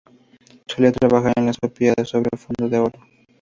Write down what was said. Solía trabajar en sepia sobre fondo de oro.